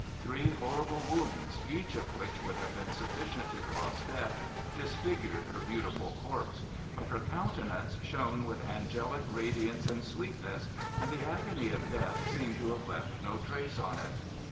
Three horrible wounds, each of which would have been sufficient to cause death, disfigured her beautiful corpse; but her countenance shone with angelic radiance and sweetness, and the agony of death seemed to have left no trace on it.